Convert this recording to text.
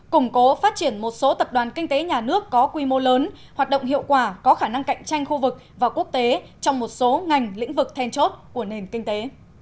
củng cố phát triển một số tập đoàn kinh tế nhà nước có quy mô lớn hoạt động hiệu quả có khả năng cạnh tranh khu vực và quốc tế trong một số ngành lĩnh vực then chốt của nền kinh tế